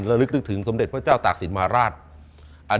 เรารึกนึกถึงสมเด็จพระเจ้าตากสินมาฮาราช